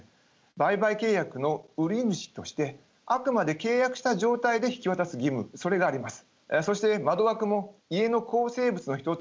売買契約の売主としてあくまで契約した状態で引き渡す義務それがあります。